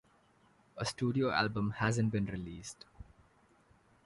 A studio album hasn't been realized.